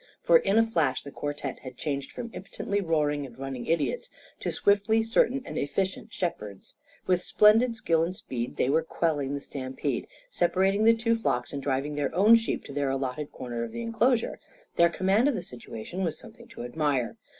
For in a flash the quartet had changed from impotently roaring and running idiots, to swiftly certain and efficient shepherds. With splendid skill and speed they were quelling the stampede, separating the two flocks and driving their own sheep to their allotted corner of the enclosure. Their command of the situation was something to admire.